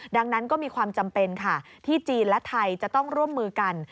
ดังนั้นก็มีความจำเป็นค่ะที่จีนและไทยจะต้องร่วมมือกัน